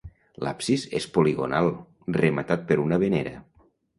L'absis és poligonal, rematat per una venera.